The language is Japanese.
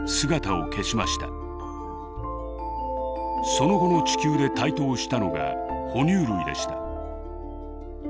その後の地球で台頭したのが哺乳類でした。